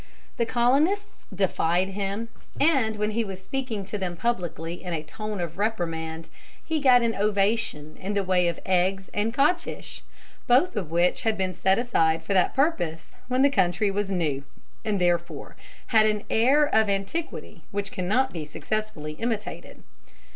The colonists defied him, and when he was speaking to them publicly in a tone of reprimand, he got an ovation in the way of eggs and codfish, both of which had been set aside for that purpose when the country was new, and therefore had an air of antiquity which cannot be successfully imitated.